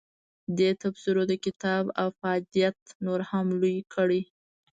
دې تبصرو د کتاب افادیت نور هم لوی کړی.